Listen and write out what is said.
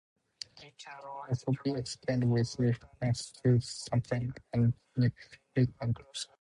It can also be explained with reference to the sampling and Nyquist frequency.